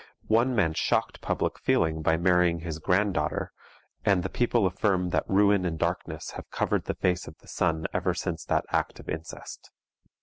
One man shocked public feeling by marrying his granddaughter, and the people affirm that ruin and darkness have covered the face of the sun ever since that act of incest.